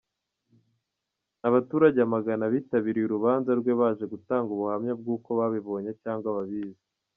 Abaturage amagana bitabiriye urubanza rwe baje gutanga ubuhamya bw’uko babibonye cyangwa babizi.